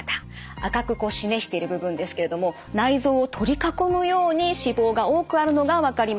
赤く示している部分ですけれども内臓を取り囲むように脂肪が多くあるのが分かります。